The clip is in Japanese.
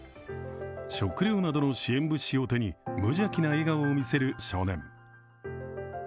食料などの支援物資を手に無邪気な笑顔を見せる少年。